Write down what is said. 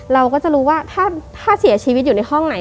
เราก็จะรู้ว่าถ้าเสียชีวิตอยู่ในห้องไหน